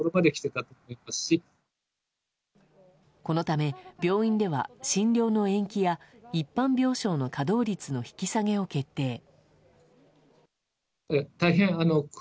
このため病院では診療の延期や一般病床の稼働率の引き下げを決定。